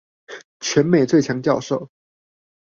全美最強教授